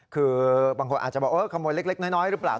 คือบางคนอาจจะบอกขโมยเล็กน้อยหรือเปล่า